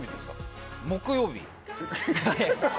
木曜日。